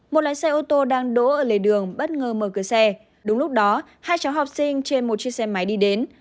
một lái xe ô tô đang đỗ ở lề đường bất ngờ mở cửa xe đúng lúc đó hai cháu học sinh trên một chiếc xe máy đi đến